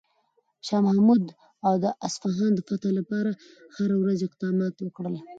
شاه محمود د اصفهان د فتح لپاره هره ورځ اقدامات وکړل.